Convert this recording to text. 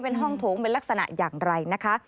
เป็นห้องโถงเป็นลักษณะอย่างไรนะคะ